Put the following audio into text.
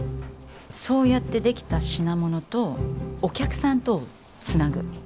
そうやって出来た品物とお客さんとをつなぐ。